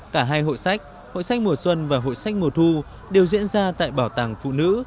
cả hai hội sách hội sách mùa xuân và hội sách mùa thu đều diễn ra tại bảo tàng phụ nữ